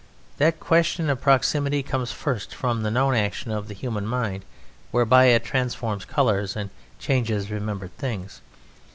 That question of proximity comes first, from the known action of the human mind whereby it transforms colours and changes remembered things.